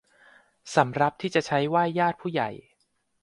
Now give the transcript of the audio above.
สำรับที่จะใช้ไหว้ญาติผู้ใหญ่